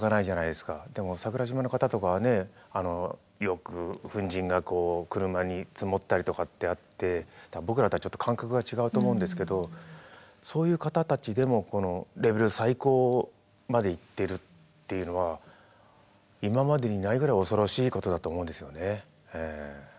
でも桜島の方とかねえよく粉じんが車に積もったりとかってあって多分僕らとはちょっと感覚が違うと思うんですけどそういう方たちでもこのレベル最高までいってるっていうのは今までにないぐらい恐ろしいことだと思うんですよね。